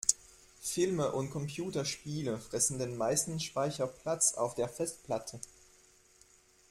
Filme und Computerspiele fressen den meisten Speicherplatz auf der Festplatte.